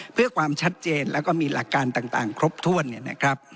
เพื่อความชัดเจนแล้วก็มีหลักการต่างครบถ้วน